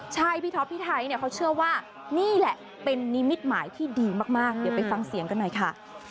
ใช่พี่ท็อปพี่ไทยเนี่ยเขาเชื่อว่านี่แหละเป็นนิมิตหมายที่ดีมากเดี๋ยวไปฟังเสียงกันหน่อยค่ะ